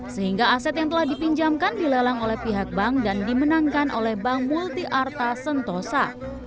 sehingga aset yang telah dipinjamkan dilelang oleh pihak bank dan dimenangkan oleh bank multiarta sentosa